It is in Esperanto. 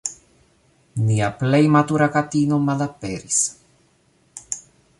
"Nia plej matura katino malaperis.